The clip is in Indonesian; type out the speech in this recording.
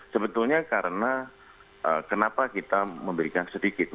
sebetulnya karena kenapa kita memberikan sedikit